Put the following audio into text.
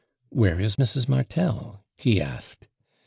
" Where is Mrs. Martel?" he asked.